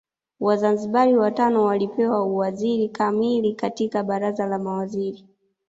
Wazanzibari watano walipewa uwaziri kamili katika Baraza la Mawaziri